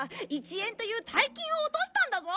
１円という大金を落としたんだぞ！